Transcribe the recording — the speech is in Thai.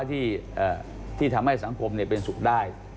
ที่ทำให้สังคมเป็นสุขได้